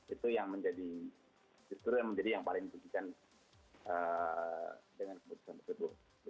itu yang menjadi yang paling diperlukan dengan keputusan tersebut